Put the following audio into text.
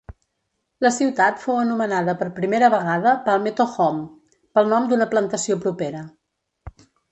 La ciutat fou anomenada per primera vegada Palmetto Home, pel nom d'una plantació propera.